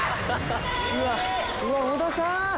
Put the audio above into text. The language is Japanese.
・うわっ・うわっ小田さん